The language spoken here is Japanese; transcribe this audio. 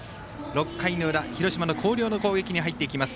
６回の裏広島の広陵の攻撃に入っていきます。